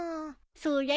そりゃ